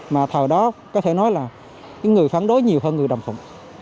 mà thời đó có thể nói là người phản đối nhiều hơn người đồng phục